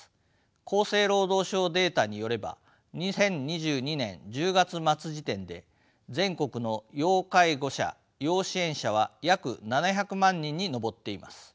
厚生労働省データによれば２０２２年１０月末時点で全国の要介護者・要支援者は約７００万人に上っています。